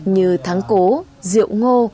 như tháng cố rượu ngô